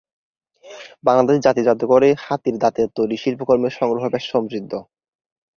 বাংলাদেশ জাতীয় জাদুঘরে হাতির দাঁতের তৈরি শিল্পকর্মের সংগ্রহ বেশ সমৃদ্ধ।